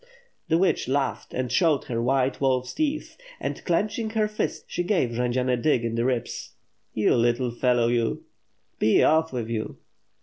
The witch laughed and showed her white wolfs teeth; and, clenching her fist, she gave Jendzian a dig in the ribs. "You little fellow, you." "Be off with you."